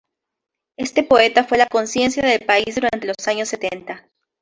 Este poeta fue la conciencia del país durante los años setenta.